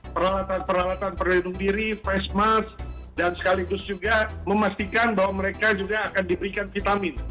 peralatan peralatan perlindungan diri facemas dan sekaligus juga memastikan bahwa mereka juga akan diberikan vitamin